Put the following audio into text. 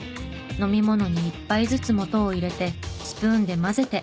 飲み物に１杯ずつ素を入れてスプーンで混ぜて。